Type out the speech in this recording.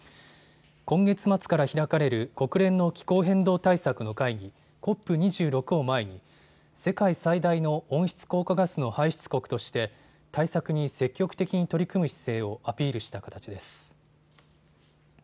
今月末から開かれる国連の気候変動対策の会議、ＣＯＰ２６を前に世界最大の温室効果ガスの排出国として対策に積極的に取り組む姿勢をアピールした形です。